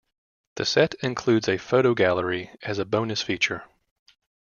The set includes a photo gallery as a bonus feature.